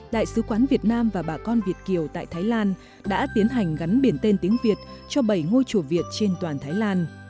đại sứ quán việt nam và bà con việt kiều tại thái lan đã tiến hành gắn biển tên tiếng việt cho bảy ngôi chùa việt trên toàn thái lan